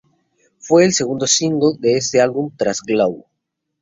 Fue el segundo single de ese álbum tras "Glow".